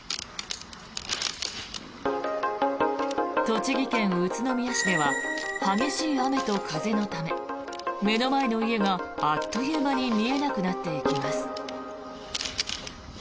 栃木県宇都宮市では激しい雨と風のため目の前の家が、あっという間に見えなくなっていきます。